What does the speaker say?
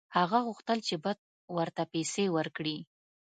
هغه غوښتل چې بت ورته پیسې ورکړي.